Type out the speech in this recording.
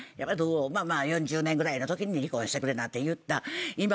まあまあ４０年ぐらいのときに離婚してくれなんて言った。